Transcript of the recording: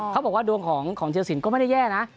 เขาบอกว่าดวงของเทียรสินก็ไม่ได้แย่นะ